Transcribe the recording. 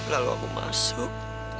lalu aku masuk